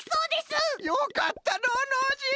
よかったのうノージー！